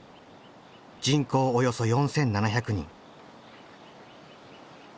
人口およそ４，７００人。